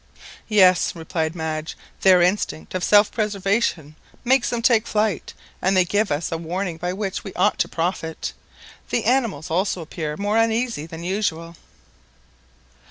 "Yes," replied Madge; "their instinct of self preservation makes them take flight, and they give us a warning by which we ought to profit. The animals also appear more uneasy than usual."